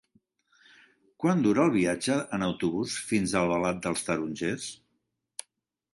Quant dura el viatge en autobús fins a Albalat dels Tarongers?